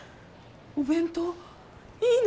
お弁当？いいの！？